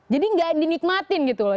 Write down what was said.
jadi tidak dinikmatin gitu loh